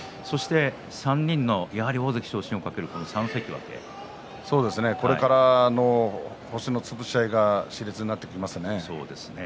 ３人のやはり大関昇進をかけるこれから星の潰し合いがしれつになってきますからね。